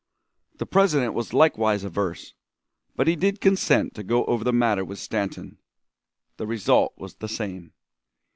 The President was likewise averse, but he did consent to go over the matter with Stanton. The result was the same.